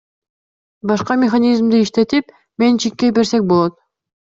Башка механизмди иштетип, менчикке берсек болот.